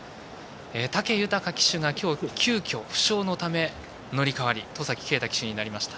武豊騎手が今日、急きょ、負傷のため乗り代わり戸崎圭太騎手になりました。